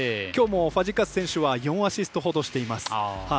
きょうもファジーカス選手は４アシストほどしています。